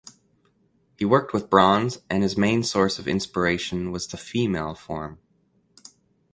He worked with bronze and his main source of inspiration was the female form.